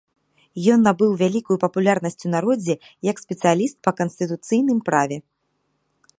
Ён набыў вялікую папулярнасць у народзе, як спецыяліст па канстытуцыйным праве.